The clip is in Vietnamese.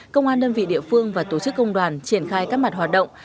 công an đơn vị địa phương và tổ chức công đoàn triển khai các mặt hoạt động